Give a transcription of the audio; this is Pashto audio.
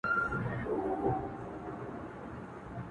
ستـا د سونډو رنگ,